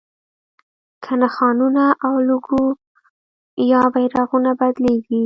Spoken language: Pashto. که نښانونه او لوګو یا بیرغونه بدلېږي.